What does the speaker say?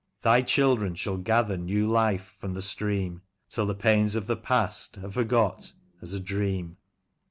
Thy children shall gather new life from the stream, Till the pains of the past are forgot as a dream."